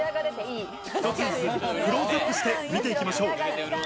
一つずつクローズアップして見ていきましょう。